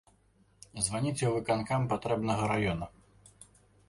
Званіце ў выканкам патрэбнага раёна.